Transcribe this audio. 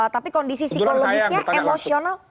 tapi kondisi psikologisnya emosional